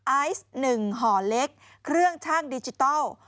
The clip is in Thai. ไอซ์๑ห่อเล็กเครื่องช่างดิจิทัล